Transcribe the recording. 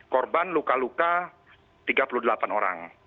korban luka luka tiga puluh delapan orang